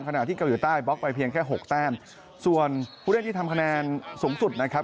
ขณะที่เกาหลีใต้บล็อกไปเพียงแค่หกแต้มส่วนผู้เล่นที่ทำคะแนนสูงสุดนะครับ